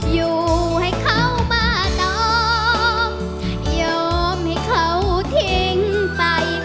อยู่ให้เขามาต่อยอมให้เขาทิ้งไป